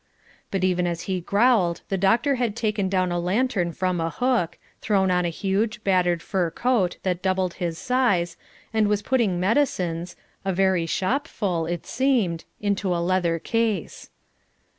But even as he growled the doctor had taken down a lantern from a hook, thrown on a huge, battered fur coat that doubled his size, and was putting medicines a very shopful it seemed into a leather case.